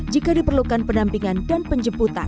jika diperlukan pendampingan dan penjemputan